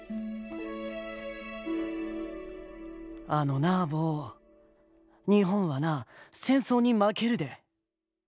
あのなあぼう日本はな戦争に負けるで。